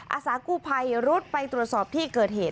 อาสากู้ภัยรุดไปตรวจสอบที่เกิดเหตุ